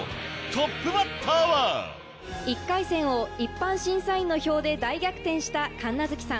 トップバッターは１回戦を一般審査員の票で大逆転した神奈月さん。